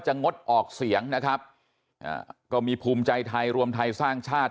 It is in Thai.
งดออกเสียงนะครับอ่าก็มีภูมิใจไทยรวมไทยสร้างชาติ